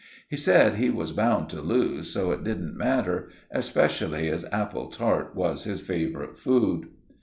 He said he was bound to lose, so it didn't matter, especially as apple tart was his favourite food.